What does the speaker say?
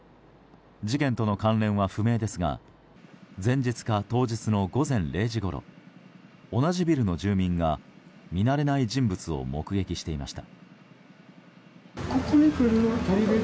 事件との関連は不明ですが前日か、当日の午前０時ごろ同じビルの住民が見慣れない人物を目撃していました。